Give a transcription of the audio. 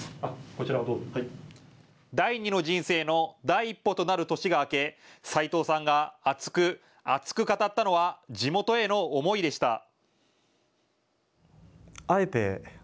第２の人生の第一歩となる年が明け斎藤さんが熱く、熱く語ったのは地元への思いでした。